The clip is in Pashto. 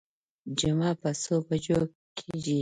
جمعه په څو بجو کېږي.